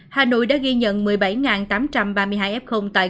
hà nội đã ghi nhận một mươi bảy tám trăm ba mươi hai f